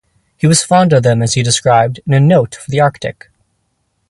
He was fond of them as he described in a "Note" for the Arctic.